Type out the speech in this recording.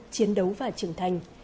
chiến đấu và trưởng thành